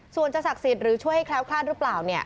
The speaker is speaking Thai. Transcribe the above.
ส่วนจะศักดิ์สิทธิ์หรือช่วยให้แคล้วคลาดหรือเปล่า